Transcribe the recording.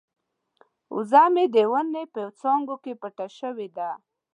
وزه مې د ونې په څانګو کې پټه شوې ده.